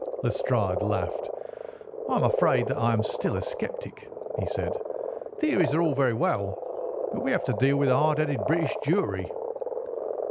Lestrade laughed. "I am afraid that I am still a sceptic," he said. "Theories are all very well, but we have to deal with a hard headed British jury."